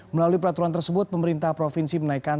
melalui peraturan tersebut pemerintah provinsi menaikkan